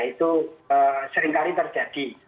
itu seringkali terjadi